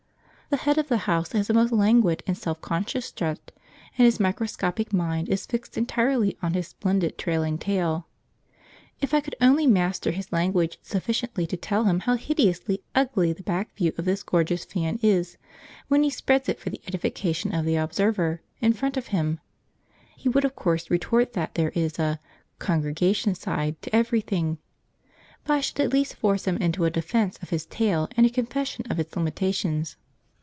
The head of the house has a most languid and self conscious strut, and his microscopic mind is fixed entirely on his splendid trailing tail. If I could only master his language sufficiently to tell him how hideously ugly the back view of this gorgeous fan is, when he spreads it for the edification of the observer in front of him, he would of course retort that there is a "congregation side" to everything, but I should at least force him into a defence of his tail and a confession of its limitations.